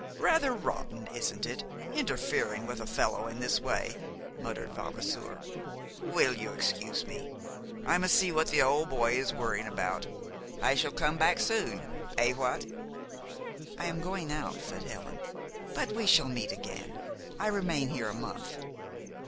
"Rather rotten, isn't it, interferin' with a fellow in this way?" muttered Vavasour. "Will you excuse me? I must see what the old boy is worryin' about. I shall come back soon Eh, what?" "I am going out," said Helen; "but we shall meet again. I remain here a month."